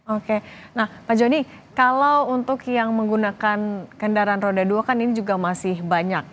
oke nah pak joni kalau untuk yang menggunakan kendaraan roda dua kan ini juga masih banyak